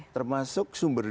termasuk sumber daya